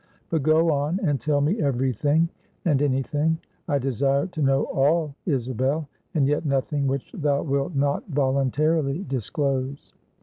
But go on, and tell me every thing and any thing. I desire to know all, Isabel, and yet, nothing which thou wilt not voluntarily disclose.